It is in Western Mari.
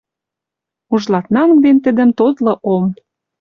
Уж ладнангден тӹдӹм тотлы ом.